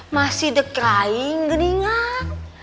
masih dekain gini ngak